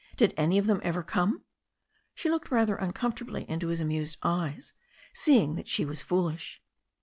Did any of them ever come?" She looked rather uncomfortably into his amused eyes, seeing that she was foolish.